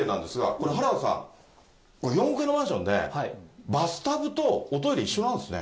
これ、原田さん、これ、４億円のマンションで、バスタブとおトイレ一緒なんですね。